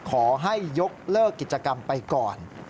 ขอให้ยกเลิกกิจกรรมไปก่อน